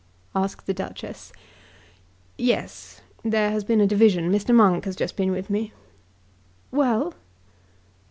asked the Duchess. "Yes; there has been a division. Mr. Monk has just been with me." "Well!"